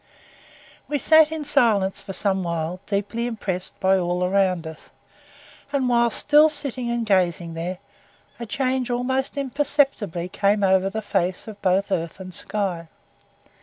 We sat in silence for some while deeply impressed by all around us, and, whilst still sitting and gazing there, a change almost imperceptibly came over the face of both earth and sky.